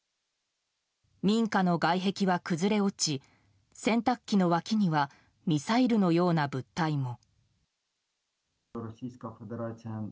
民家の外壁は崩れ落ち洗濯機の脇にはミサイルのような物体も。